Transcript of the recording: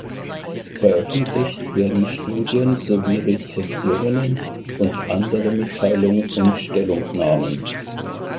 Veröffentlicht werden Studien sowie Rezensionen und andere Mitteilungen und Stellungnahmen.